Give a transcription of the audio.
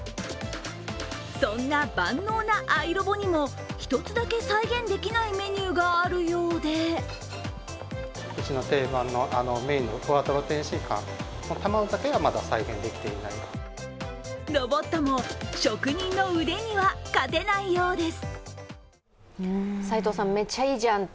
そんな万能なアイロボにも１つだけ再現できないメニューがあるようでロボットも職人の腕には勝てないようです。